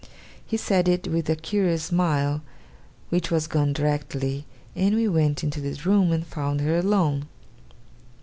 He said it with a curious smile, which was gone directly; and we went into the room and found her alone.